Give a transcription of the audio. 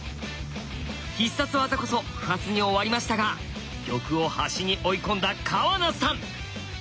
必殺技こそ不発に終わりましたが玉を端に追い込んだ川名さん。